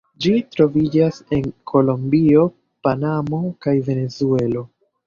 Ĝi troviĝas en Kolombio, Panamo kaj Venezuelo.